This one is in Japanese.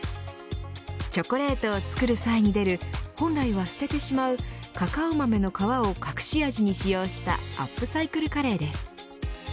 チョコレートを作る際に出る本来は捨ててしまうカカオ豆の皮を隠し味に使用したアップサイクルカレーです。